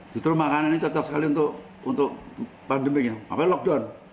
jutru makanan ini cocok sekali untuk pandemiknya makanya lockdown